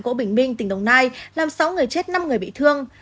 gỗ bình minh tỉnh đồng nai làm sáu người chết năm người bị thương